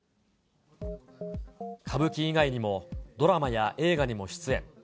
歌舞伎以外にも、ドラマや映画にも出演。